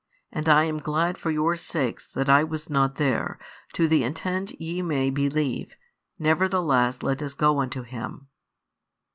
And I am glad for your sakes that I was not there, to the intent ye may believe; nevertheless let us go unto him.